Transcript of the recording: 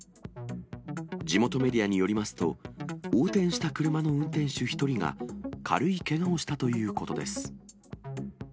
地元メディアによりますと、横転した車の運転手１人が、軽いけがをしたということです。